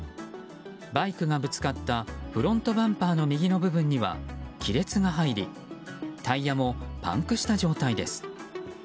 バイクがぶつかったフロントバンパーの右の部分には亀裂が入りタイヤもパンクした状態です。